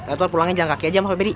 atwar pulangin jalan kaki aja sama febri